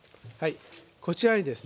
こちらにですね